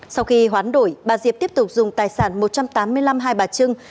sau khi hoán đổi bà diệp tiếp tục dùng tài sản một trăm tám mươi năm hai bà trưng